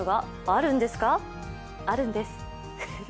あるんです。